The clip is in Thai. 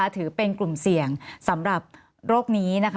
ถือเป็นกลุ่มเสี่ยงสำหรับโรคนี้นะคะ